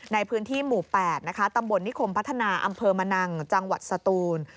ในพื้นที่หมู่๘นะคะตำบลนิคมพัฒนาอำเภอมะนังจังหวัดสตูน